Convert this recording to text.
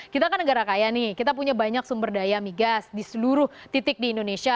kita kan negara kaya nih kita punya banyak sumber daya migas di seluruh titik di indonesia